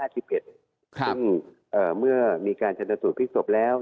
ซึ่งเมื่อมีการฉันสนดับสูรพลิกศพแล้ว